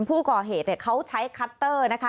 ผู้ก่อเหตุเขาใช้คัตเตอร์นะคะ